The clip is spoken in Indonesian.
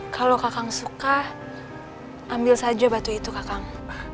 kalau kakang suka ambil saja batu itu kakang